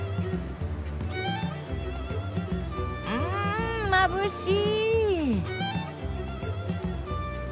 うんまぶしい。